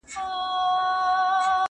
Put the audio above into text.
نه ملخ نه یې تر خوله خوږه دانه سوه,